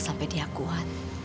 sampai dia kuat